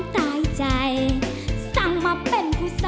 ลายแมนครับผม